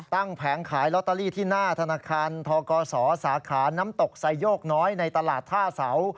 แผงขายลอตเตอรี่ที่หน้าธนาคารทกศสาขาน้ำตกไซโยกน้อยในตลาดท่าเสา